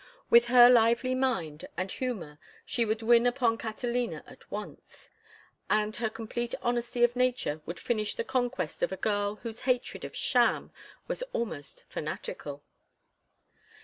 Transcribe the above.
With her lively mind and humor she would win upon Catalina at once, and her complete honesty of nature would finish the conquest of a girl whose hatred of sham was almost fanatical.